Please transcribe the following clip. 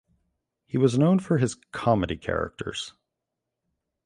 He was known for his comedy characters.